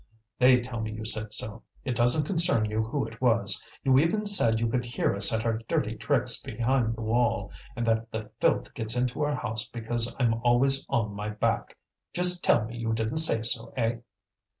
"They tell me you said so; it doesn't concern you who it was. You even said you could hear us at our dirty tricks behind the wall, and that the filth gets into our house because I'm always on my back. Just tell me you didn't say so, eh?"